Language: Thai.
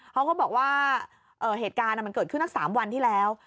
เขาก็บอกว่าเหตุการณ์มันเกิดขึ้นสัก๓วันที่แล้ว